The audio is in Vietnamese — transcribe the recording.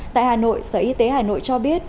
tại hà nội sở y tế hà nội cho biết